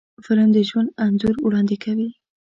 فلم د ژوند انځور وړاندې کوي